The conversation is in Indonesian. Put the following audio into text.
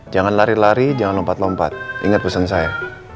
jangan lari lari jangan lompat lompat ingat pesan saya